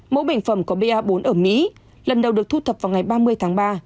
mỗi bệnh phẩm có ba bốn ở mỹ lần đầu được thu thập vào ngày ba mươi tháng ba